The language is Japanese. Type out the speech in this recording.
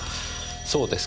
そうですか。